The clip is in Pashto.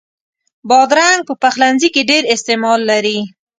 بادرنګ په پخلنځي کې ډېر استعمال لري.